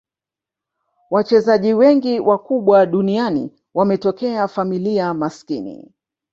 wachezaji wengi wakubwa duniani wametokea familia maskini